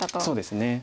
そうですね。